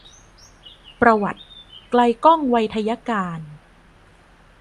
ประวัติ ไกลก้อง ไวทยการ